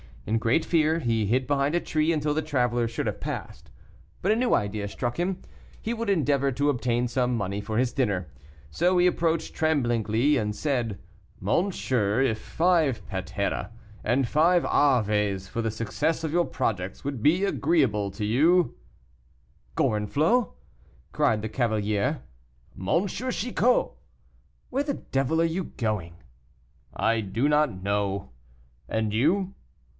In great fear, he hid behind a tree until the traveler should have passed; but a new idea struck him. He would endeavor to obtain some money for his dinner. So he approached tremblingly, and said, "Monsieur, if five patera, and five aves for the success of your projects would be agreeable to you " "Gorenflot!" cried the cavalier. "M. Chicot!" "Where the devil are you going?" "I do not know. And you?"